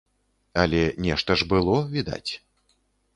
Але нешта ж было, відаць.